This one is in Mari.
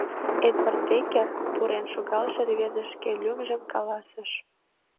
— Эдвард Деккер, — пурен шогалше рвезе шке лӱмжым каласыш.